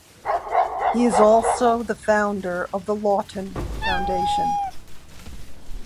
He is also the founder of the Lawton Foundation.